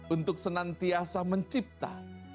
untuk senantiasa mencipta